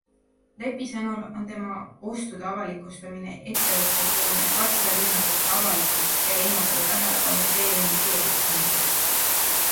Deppi sõnul on tema ostude avalikustamine ettevõttepoolne katse rünnata teda avalikult ja eemaldada tähelepanu TMG eksimustest.